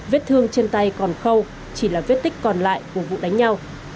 vết thương trên tay còn khâu chỉ là vết tích còn lại của vụ đánh nhau